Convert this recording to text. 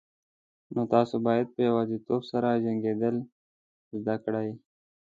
نو تاسو باید په یوازیتوب سره جنگیدل زده کړئ.